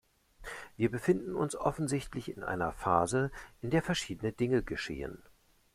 Wir befinden uns offensichtlich in einer Phase, in der verschiedene Dinge geschehen.